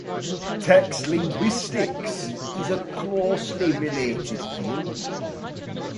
Text linguistics is a closely related field.